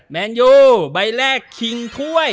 แมนยูใบแรกคิงถ้วย